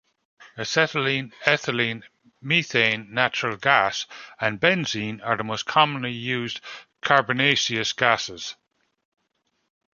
Acetylene, ethylene, methane, natural gas, and benzene are the most commonly used carbonaceous gases.